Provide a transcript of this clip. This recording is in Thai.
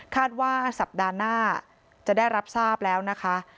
ว่าสัปดาห์หน้าจะได้รับทราบแล้วนะคะ